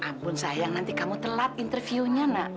ya ampun sayang nanti kamu telat interviewnya nak